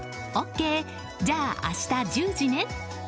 ＯＫ！じゃあ明日１０時ね！